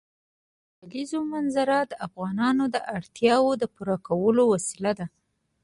د کلیزو منظره د افغانانو د اړتیاوو د پوره کولو وسیله ده.